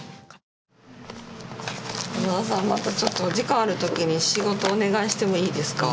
和田さんまたちょっとお時間あるときに仕事をお願いしてもいいですか？